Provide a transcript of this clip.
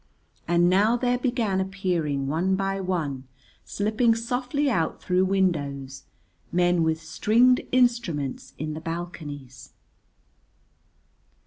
And now there began appearing one by one, slipping softly out through windows, men with stringed instruments in the balconies.